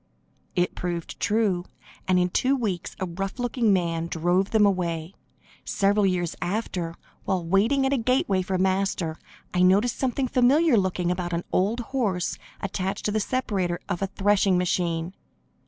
It proved true, and in two weeks a rough looking man drove them away. Several years after, while waiting at a gateway for Master, I noticed something familiar looking about an old horse attached to the separator of a threshing machine.